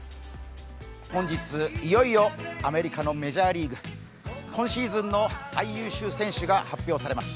本日、いよいよアメリカのメジャーリーグ、今シーズンの最優秀選手が発表されます。